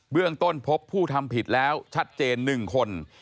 เรื่องต้นพบผู้ทำผิดแล้วชัดเจน๑คน